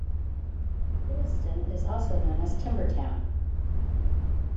Lewiston is also known as Timber Town.